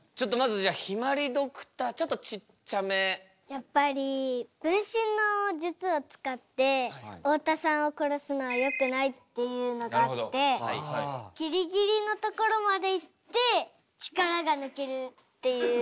やっぱり分身の術を使って太田さんを殺すのはよくないっていうのがあってギリギリのところまでいって力が抜けるっていう。